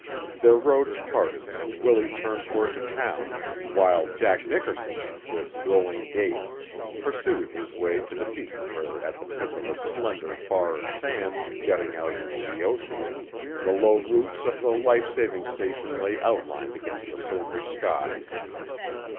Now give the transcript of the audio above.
Their roads parted and Willie turned toward the town, while Jack Nickerson, with rolling gait, pursued his way to the beach where at the tip of a slender bar of sand jutting out into the ocean the low roofs of the life saving station lay outlined against a somber sky.